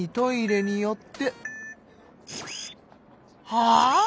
はあ？